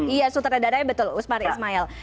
iya sutradaranya betul usman ismail